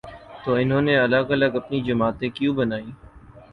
تو انہوں نے الگ الگ اپنی جماعتیں کیوں بنائی ہیں؟